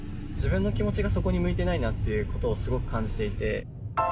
自分の気持ちがそこに向いてないなということをすごく感じていて。